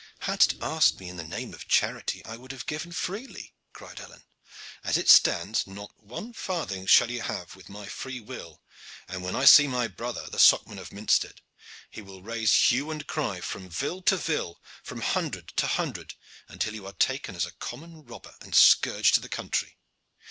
"Hadst asked me in the name of charity I would have given freely," cried Alleyne. "As it stands, not one farthing shall you have with my free will, and when I see my brother, the Socman of Minstead, he will raise hue and cry from vill to vill, from hundred to hundred, until you are taken as a common robber and a scourge to the country."